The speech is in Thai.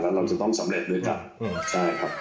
เราจะต้องสำเร็จด้วยกันใช่ครับ